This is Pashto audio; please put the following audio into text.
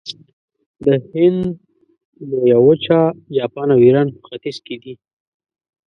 د هند لویه نیمه وچه، جاپان او ایران په ختیځ کې دي.